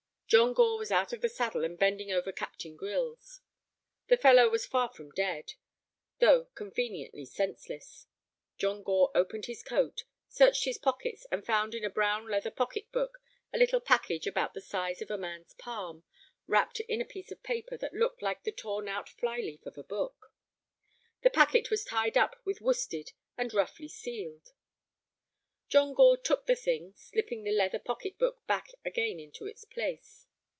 John Gore was out of the saddle and bending over Captain Grylls. The fellow was far from dead, though conveniently senseless. John Gore opened his coat, searched his pockets, and found in a brown leather pocket book a little package about the size of a man's palm, wrapped in a piece of paper that looked like the torn out fly leaf of a book. The packet was tied up with worsted and roughly sealed. John Gore took the thing, slipping the leather pocket book back again into its place.